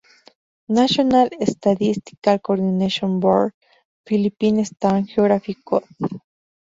National Statistical Coordination Board, Philippine Standard Geographic Code